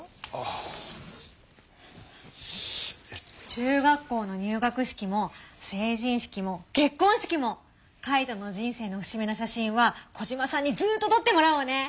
中学校の入学式も成人式も結こん式もカイトの人生の節目の写真はコジマさんにずっととってもらおうね。